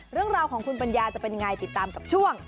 เรื่องราวของคุณปัญญาจะเป็นยังไงติดตามกับช่วง